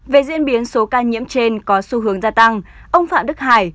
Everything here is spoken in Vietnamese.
về diễn biến số ca nhiễm trên có xu hướng gia tăng ông phạm đức hải